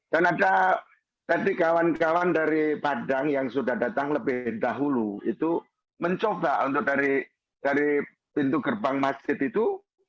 dan ada tadi kawan kawan dari padang yang sudah datang lebih dahulu itu mencoba untuk dari pintu gerbang masjid itu